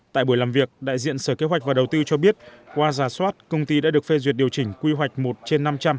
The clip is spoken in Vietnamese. tại buổi làm việc đại diện sở kế hoạch và đầu tư cho biết qua giả soát công ty đã được phê duyệt điều chỉnh quy hoạch một trên năm trăm linh